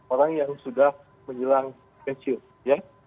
orang yang sudah menjelang pensiun ya